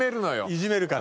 いじめるから。